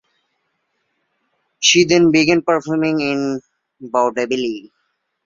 She then began performing in vaudeville.